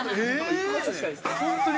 ◆本当に。